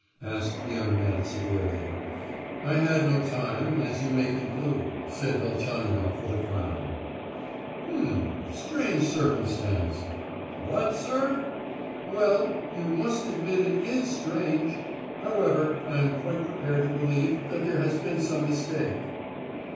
asked the young man severely. "I had no time, as you may conclude," said Velchaninoff with a frown. "H'm! Strange circumstance!" "What, sir?" "Well, you must admit it is strange! However, I am quite prepared to believe that there has been some mistake."